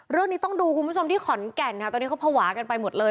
เรื่องนี้ต้องดูคุณผู้ชมที่ขอนแก่นค่ะตอนนี้เขาภาวะกันไปหมดเลย